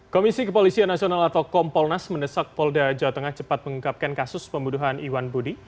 komisi kepolisian nasional atau kompolnas mendesak polda jawa tengah cepat mengungkapkan kasus pembunuhan iwan budi